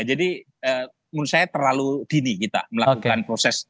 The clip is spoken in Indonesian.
menurut saya terlalu dini kita melakukan proses